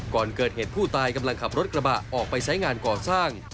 ก่อนเกิดเหตุผู้ตายกำลังขับรถกระบะออกไปใช้งานก่อสร้าง